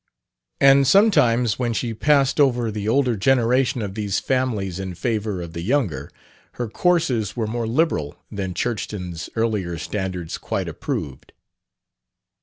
And sometimes, when she passed over the older generation of these families in favor of the younger, her courses were more "liberal" than Churchton's earlier standards quite approved.